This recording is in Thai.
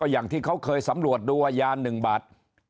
อย่างที่เขาเคยสำรวจดูว่ายา๑บาท